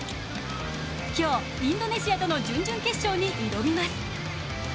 今日、インドネシアとの準々決勝に挑みます。